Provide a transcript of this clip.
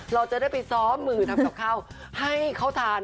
เราจะได้ไปซ้อมมือทำกับข้าวให้เขาทาน